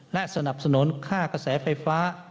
และสนับสนุนค่ากระแสไฟฟ้า